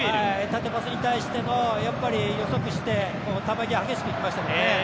縦パスに対して、予測して球際、激しくいきましたね。